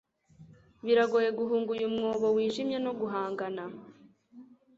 biragoye guhunga uyu mwobo wijimye no guhangana